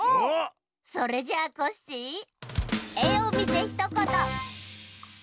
それじゃあコッシーえをみてひとこと！